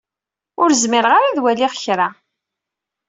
Ur zmireɣ ara ad waliɣ kra.